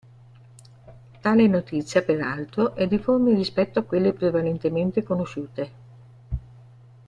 Tale notizia, peraltro, è difforme rispetto a quelle prevalentemente conosciute.